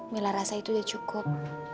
mila rasa itu ya cukup